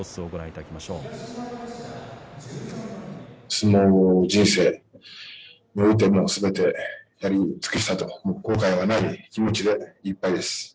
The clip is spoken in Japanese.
いろいろ人生においてのすべてやり尽くしたと後悔はない気持ちでいっぱいです。